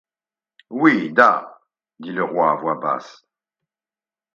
Oui-da ! dit le roi à voix basse